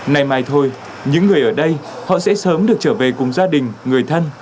nay mai thôi những người ở đây họ sẽ sớm được trở về cùng gia đình người thân